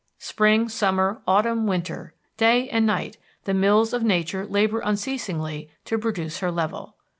Spring, summer, autumn, winter, day and night, the mills of Nature labor unceasingly to produce her level.